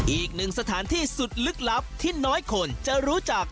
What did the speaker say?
อีกหนึ่งสถานที่สุดลึกลับที่น้อยคนจะรู้จัก